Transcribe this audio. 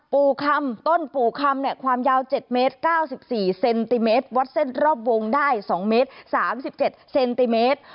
ปู่คำต้นปู่คำความยาว๗เมตร๙๔เซนติเมตรวัดเส้นรอบวงได้๒เมตร๓๗เซนติเมตร